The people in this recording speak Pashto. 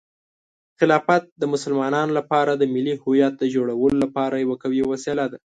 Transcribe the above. خلافت د مسلمانانو لپاره د ملي هویت د جوړولو لپاره یوه قوي وسیله ده.